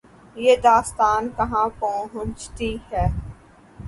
یہ داستان کہاں پہنچتی ہے۔